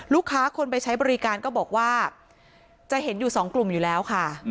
ลูกค้าคนไปใช้บริการก็บอกว่าจะเห็นอยู่สองกลุ่มอยู่แล้วค่ะ